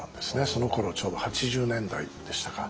そのころちょうど８０年代でしたか。